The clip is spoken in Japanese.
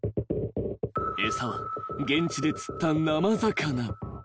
［餌は現地で釣った生魚］